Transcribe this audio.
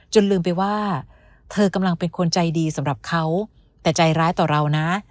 ลืมไปว่าเธอกำลังเป็นคนใจดีสำหรับเขาแต่ใจร้ายต่อเรานะ